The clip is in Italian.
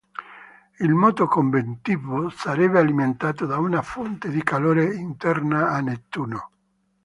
Il moto convettivo sarebbe alimentato da una fonte di calore interna a Nettuno.